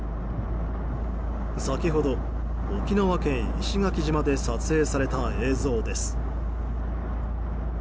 先程、沖縄県石垣島で撮影された映像です。